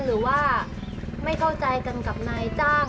หรือว่าไม่เข้าใจกันกับนายจ้าง